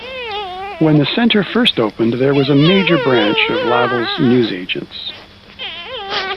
When the centre first opened, there was a major branch of Lavells Newsagents.